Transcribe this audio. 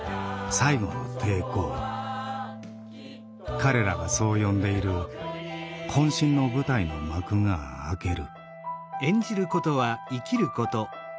彼らがそう呼んでいるこん身の舞台の幕が開ける。